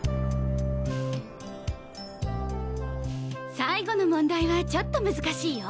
最後の問題はちょっと難しいよ。